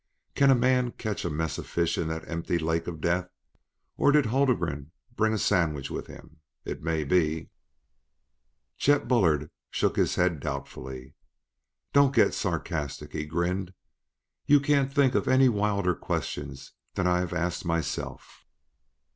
Can a man catch a mess of fish in that empty Lake of Death? Or did Haldgren bring a sandwich with him, it may be?" Chet Bullard shook his head doubtfully. "Don't get sarcastic!" he grinned. "You can't think of any wilder questions than I have asked myself.